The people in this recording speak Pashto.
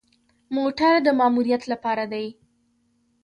موټر د ماموریت لپاره دی